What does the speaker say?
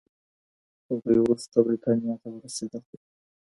هغوی وروسته بریتانیا ته ورسېدل.